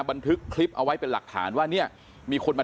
เค้าคุยกับเพื่อนนะคะครับแล้วก็คุยคุยเสียงดังเลยนะฮะ